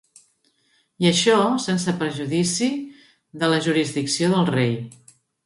I això, sense perjudici de la jurisdicció del rei.